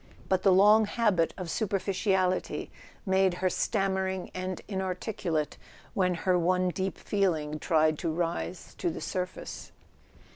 But the long habit of super¬ ficiality made her stammering and inarticulate when her one deep feeling tried to rise to the surface.